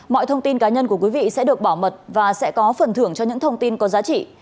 mọi thông tin cá nhân của quý vị sẽ được bảo mật và sẽ có phần thưởng cho những thông tin có giá trị